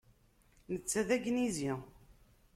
Netta d agnizi.